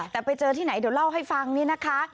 แต่ไปเจอที่ไหนเดี๋ยวเล่าให้ฟังนี่นะคะ